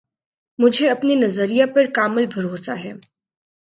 مجھے اپنے نظریہ پر کامل بھروسہ ہے